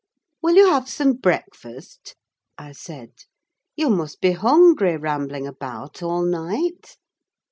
"Will you have some breakfast?" I said. "You must be hungry, rambling about all night!"